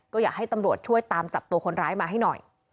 ก็อยากให้ตำรวจช่วยตามจับตัวคนร้ายมาให้หน่อย